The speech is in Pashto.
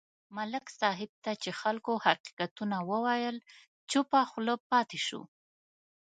ملک صاحب ته چې خلکو حقیقتونه وویل، چوپه خوله پاتې شو.